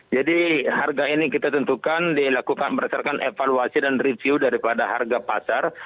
jadi harga ini kita tentukan dilakukan berdasarkan evaluasi dan review daripada harga pasar